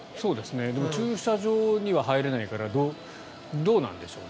でも駐車場には入れないからどうなんでしょうね。